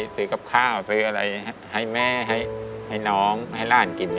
ซื้อกับข้าวซื้ออะไรให้แม่ให้น้องให้หลานกิน